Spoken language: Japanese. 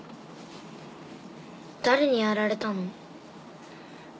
誰にやられたの？